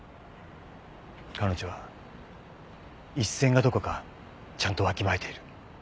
彼女は一線がどこかちゃんとわきまえている。